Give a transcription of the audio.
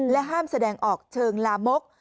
ห้ามแสดงออกเชิงลามก